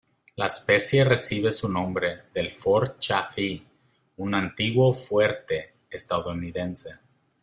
La especie recibe su nombre del Fort Chaffee, un antiguo fuerte estadounidense.